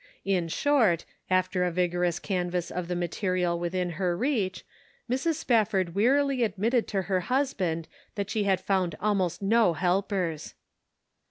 In short, after a vigorous canvass of the material within her reach, Mrs. Spafford wearily ad mitted to her husband that she had found almost no helpers.